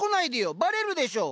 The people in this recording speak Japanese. バレるでしょ。